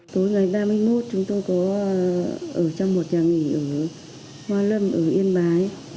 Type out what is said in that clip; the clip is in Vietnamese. tối ngày ba mươi một chúng tôi có ở trong một nhà nghỉ ở hoa lâm ở yên bái